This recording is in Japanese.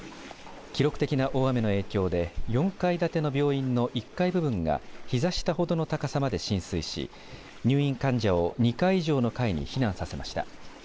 記録的な大雨の影響で４階建ての病院の１階部分が膝下ほどの高さまで浸水し入院患者を２階以上の階に避難させました。